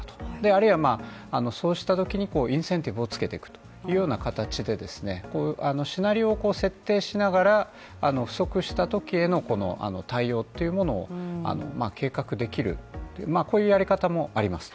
あるいは、そうしたときにインセンティブをつけていくような形でシナリオを設定しながら不足したときへの対応というものを計画できる、こういうやり方もあります。